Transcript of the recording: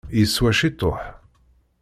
Yeswa ciṭuḥ.